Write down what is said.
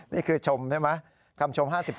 นี่คือชมใช่ไหมคำชม๕๐ปอนด์